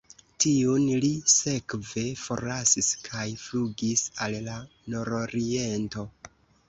Tiun li sekve forlasis kaj flugis al la nororiento.